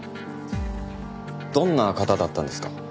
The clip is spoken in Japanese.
どんな方だったんですか？